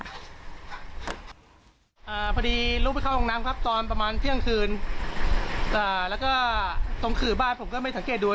พอดีลุกไปเข้าห้องน้ำครับตอนประมาณเที่ยงคืนอ่าแล้วก็ตรงขื่อบ้านผมก็ไม่สังเกตดู